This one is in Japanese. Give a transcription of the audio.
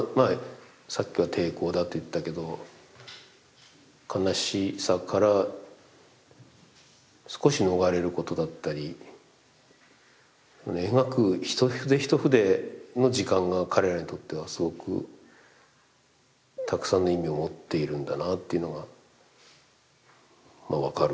さっきは抵抗だと言ったけど悲しさから少し逃れることだったり描く一筆一筆の時間が彼らにとってはすごくたくさんの意味を持っているんだなっていうのが分かる。